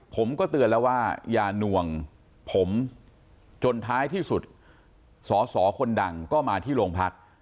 ผมก็เตือนแล้วว่าอย่าหน่วงผมจนท้ายที่สุดสอสอคนดังก็มาที่โรงพัก